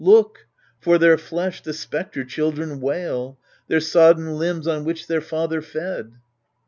Look I for their flesh tde spectre children wail, Their sodden limbs on which their father fed